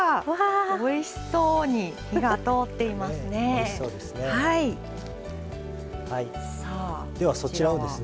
おいしそうに火が通っていますね。